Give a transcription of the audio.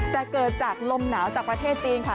แต่เกิดจากลมหนาวจากประเทศจีนค่ะ